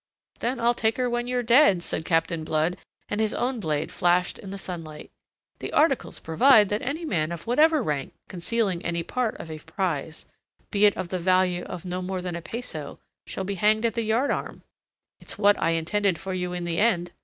"Then I'll take her when you're dead," said Captain Blood, and his own blade flashed in the sunlight. "The articles provide that any man of whatever rank concealing any part of a prize, be it of the value of no more than a peso, shall be hanged at the yardarm. It's what I intended for you in the end.